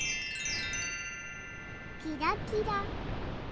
キラキラ。